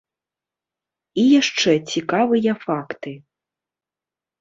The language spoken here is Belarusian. І яшчэ цікавыя факты.